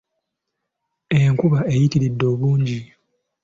Enkuba eyitiridde obungi.